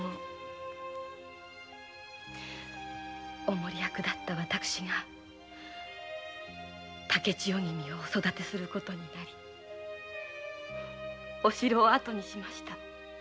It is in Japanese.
お守り役だった私が竹千代君をお育てすることになりお城を後にしました。